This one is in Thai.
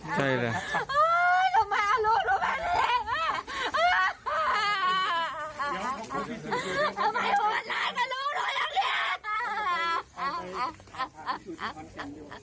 ทำไมโหดร้ายจังเลย